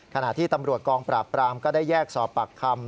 ขณะที่ตำรวจกองปราบปรามก็ได้แยกสอบปากคำ